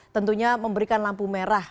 tentunya memberikan lampu merah